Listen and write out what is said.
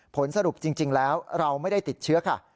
ผลสรุปจริงแล้วเราไม่ได้ติดเชื้อค่ะ